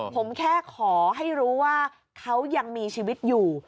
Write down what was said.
ผมแค่ขอให้รู้ว่าเขายังมีชีวิตอยู่